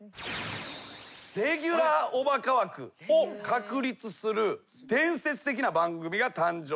レギュラーおバカ枠を確立する伝説的な番組が誕生したんです。